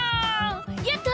やった！